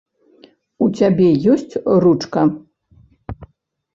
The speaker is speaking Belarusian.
У цябе ёсць ручка?